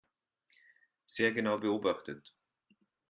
Sehr genau beobachtet.